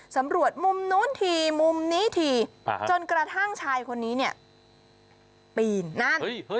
สำรวจมุมนู้นทีมุมนี้ทีจนกระทั่งชายคนนี้เนี่ยปีนนั่น